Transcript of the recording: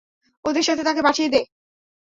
ওদের সাথে তাকে পাঠিয়ে দে!